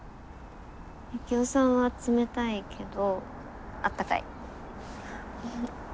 ユキオさんは冷たいけど温かい。